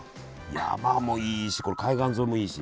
山もいいしこの海岸沿いもいいし。